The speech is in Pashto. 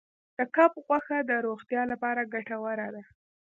د کب غوښه د روغتیا لپاره ګټوره ده.